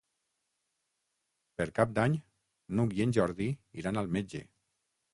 Per Cap d'Any n'Hug i en Jordi iran al metge.